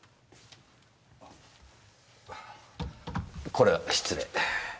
これは失礼。